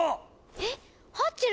えっハッチェル